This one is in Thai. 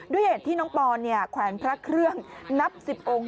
ด้วยเหตุที่น้องปอนแขวนพระเครื่องนับ๑๐องค์